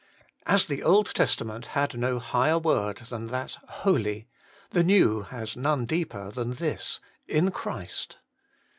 As the Old Testament had no higher word than that HOLY, the New has none deeper than this, IN CHKIST.